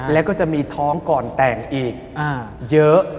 แล้วก็จะมีท้องก่อนแต่งอีกเยอะ